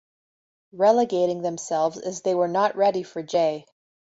Relegating themselves as they were not ready for J.